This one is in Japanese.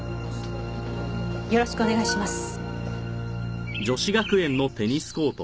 よろしくお願いします。